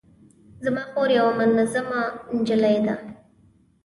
زما خور یوه منظمه نجلۍ ده